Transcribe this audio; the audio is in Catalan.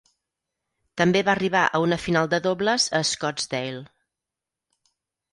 També va arribar a una final de dobles a Scottsdale.